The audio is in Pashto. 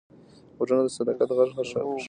غوږونه د صداقت غږ خوښوي